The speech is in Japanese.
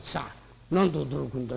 「何で驚くんだ？